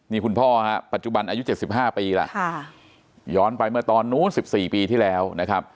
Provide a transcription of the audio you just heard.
นี่คุณพ่อฮะปัจจุบันอายุ๗๕ปีแล้วย้อนไปเมื่อตอนนู้น๑๔ปีที่แล้วนะครับ